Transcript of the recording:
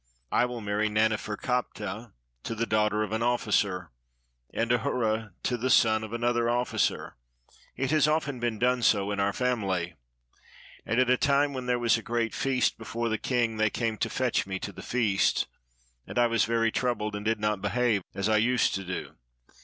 I will marry Naneferkaptah to the daughter of an officer, and Ahura to the son of an other officer. It' has often been done so in our family." And at a time when there was a great feast before the king, they came to fetch m.e to the feast. And I was very troubled, and did not behave as I used to do.